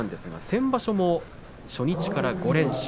先場所も初日から５連勝